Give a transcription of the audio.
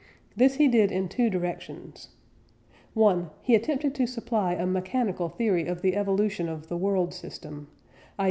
This he did in two directions: (1) he attempted to supply a mechanical theory of the evolution of the world system; _i.